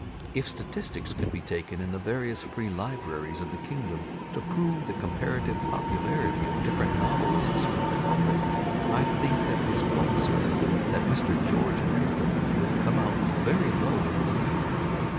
If statistics could be taken in the various free libraries of the kingdom to prove the comparative popularity of different novelists with the public, I think that it is quite certain that Mr. George Meredith would come out very low indeed.